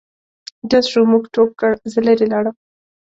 ډز شو موږ ټوپ کړ زه لیري لاړم.